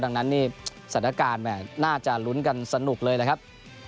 ดังนั้นนี่สถานการณ์น่าจะลุ้นกันสนุกเลยนะครับ